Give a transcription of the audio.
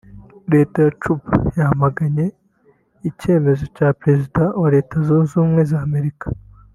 Leta ya Cuba yamaganye icyemezo cya Perezida wa Leta zunze ubumwe za Amerika